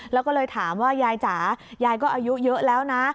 แล้วก็เลยถามว่ายายจ๋ายายก็อายุเยอะแล้วนะ